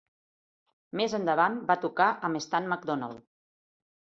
Més endavant va tocar amb Stan McDonald.